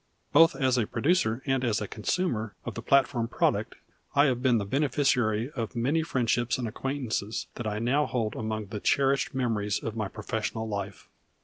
Both as a producer and as a consumer of the platform product I have been the beneficiary of many friendships and acquaintances that I now hold among the cherished memories of my professional life.